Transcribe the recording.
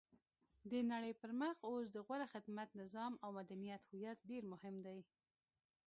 د نړۍ پرمخ اوس د غوره خدمت، نظام او مدنیت هویت ډېر مهم دی.